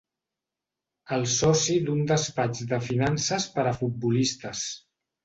És soci d'un despatx de finances per a futbolistes.